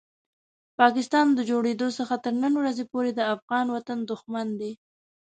پاکستان د جوړېدو څخه تر نن ورځې پورې د افغان وطن دښمن دی.